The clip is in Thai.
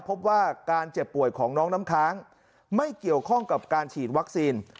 พบว่าการเจ็บป่วยของน้องน้ำค้างไม่เกี่ยวข้องกับการฉีดวัคซีน